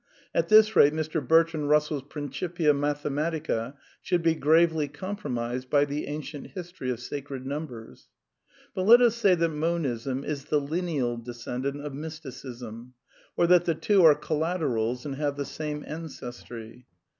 At this rate Mr. Bertrand Bus r ; sell's Principia Mathematica should be gravely compro l mised by the ancient history of Sacred Numbers. But let us say that Monism is the lineal descendant of Mysticism, or that the two are collaterals and have the same ancestry.